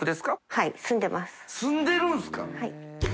はい。